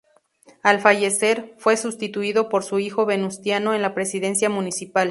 Al fallecer, fue sustituido por su hijo Venustiano en la presidencia municipal.